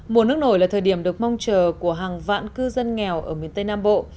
mùa nước nổi là thời điểm được mong chờ của hàng vạn cư dân nghèo ở miền tây nam bộ